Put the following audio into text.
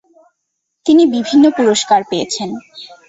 তিনি বিভিন্ন পুরস্কার পেয়েছেন।